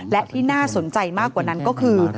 และที่น่าสนใจมากกว่านั้นก็คือ